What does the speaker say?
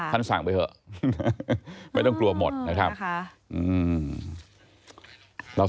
สั่งไปเถอะไม่ต้องกลัวหมดนะครับ